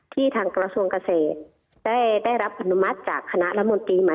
ที่ทางกระทดิษฐ์กเศษได้รับผนมัติจากคณะระมวลติมา